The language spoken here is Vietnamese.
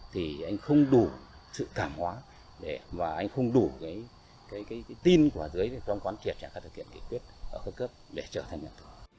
thì anh không đủ sự cảm hóa và anh không đủ cái tin của dưới trong quan kiệp các thực hiện kỹ quyết ở cấp cấp để trở thành nhân thủ